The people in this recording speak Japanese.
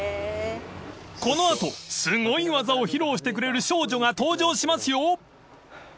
［この後すごい技を披露してくれる少女が登場しますよ］